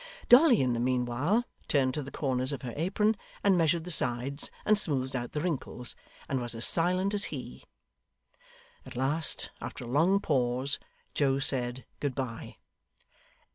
Dolly in the meanwhile, turned to the corners of her apron, and measured the sides, and smoothed out the wrinkles, and was as silent as he. At last after a long pause, Joe said good bye.